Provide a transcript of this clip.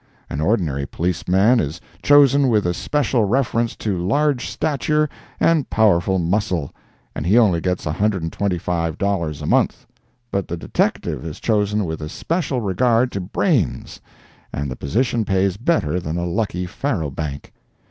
An ordinary policeman is chosen with especial reference to large stature and powerful muscle, and he only gets $125 a month, but the detective is chosen with especial regard to brains, and the position pays better than a lucky faro bank.